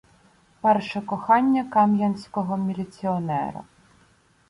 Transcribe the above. Перше кохання кам’янського “міліціонера”